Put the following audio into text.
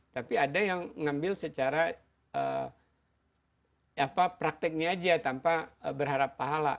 tapi ada yang ngambil secara prakteknya aja tanpa berharap pahala